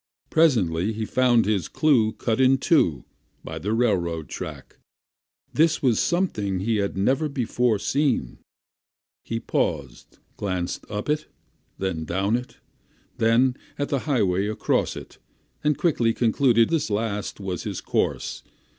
Presently he found his clue cut in two by the railroad track; this was something he had never before seen; he paused, glanced up it, then down it, then at the highway across it, and quickly concluded this last was his course.